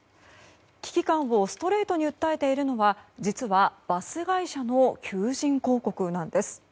危機感をストレートに訴えているのは実は、バス会社の求人広告なんです。